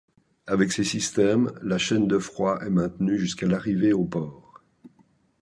Avec ces systèmes, la chaîne de froid est maintenue jusqu'à l'arrivée au port.